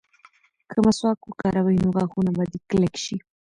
که مسواک وکاروې نو غاښونه به دې کلک شي.